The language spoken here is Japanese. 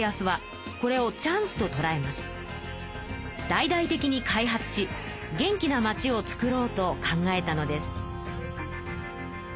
大々的に開発し元気な町をつくろうと考えたのです。